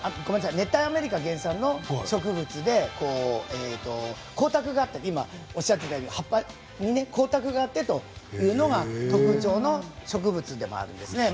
熱帯アメリカ原産の植物で、光沢があって今おっしゃっていただいたように葉っぱに光沢があってというのが特徴の植物でもあるんですね。